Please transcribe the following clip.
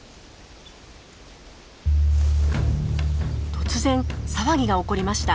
突然騒ぎが起こりました。